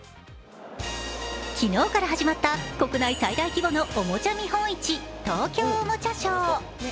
昨日から始まった国内最大規模のおもちゃ見本市、東京おもちゃショー。